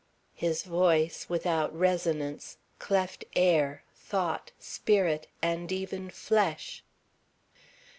His voice, without resonance, cleft air, thought, spirit, and even flesh.